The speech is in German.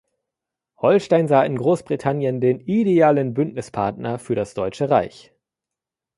Holstein sah in Großbritannien den idealen Bündnispartner für das Deutsche Reich.